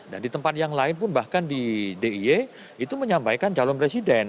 dan di tempat yang lain pun bahkan di dia itu menyampaikan calon presiden